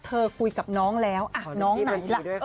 เธอคุยกับน้องแล้วอะน้องไหนอ่ะ